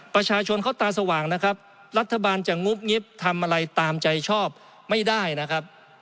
ประชาชนเขาตาสว่างนะครับรัฐบาลจะงุบงิบทำอะไรตามใจชอบไม่ได้นะครับ